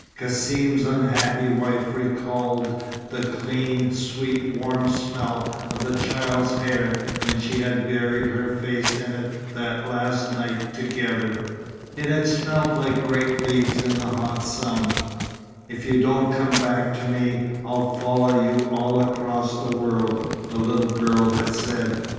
Cassim's unhappy wife recalled the clean, sweet, warm smell of the child's hair when she had buried her face in it that last night together. It had smelled like grape leaves in the hot sun. "If you don't come back to me, I'll follow you all across the world," the little girl had said.